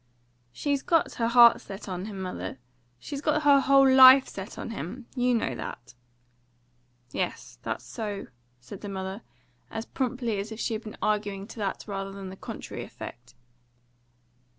"She's got her heart set on him, mother. She's got her whole life set on him. You know that." "Yes, that's so," said the mother, as promptly as if she had been arguing to that rather than the contrary effect.